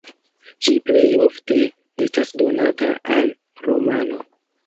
Ĝi plej ofte estas donata al romano.